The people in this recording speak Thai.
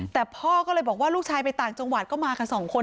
แต่พ่อก็เลยบอกว่าลูกชายไปต่างจังหวัดก็มากันสองคน